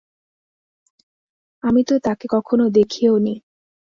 আমি তো তাঁকে কখনও দেখিওনি।